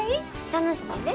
楽しいで。